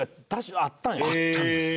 あったんですね。